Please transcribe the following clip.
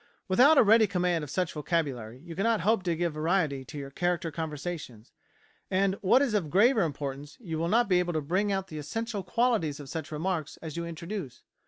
Without a ready command of such a vocabulary you cannot hope to give variety to your character conversations, and, what is of graver importance, you will not be able to bring out the essential qualities of such remarks as you introduce.